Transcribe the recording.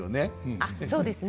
あっそうですね。